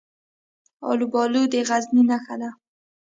الوبالو د غزني نښه ده.